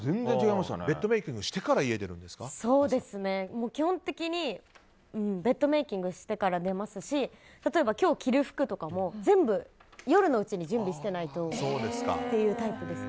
ベッドメイキングしてから基本的にベッドメイキングをしてから出ますし例えば、今日着る服とかも全部夜のうちに準備してないとというタイプです。